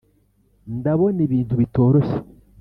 ndabona ibintu bitoroshye